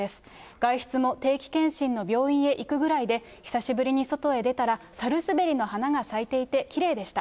外出も、定期検診の病院へ行くぐらいで、久しぶりに外へ出たら、さるすべりの花が咲いていてきれいでした。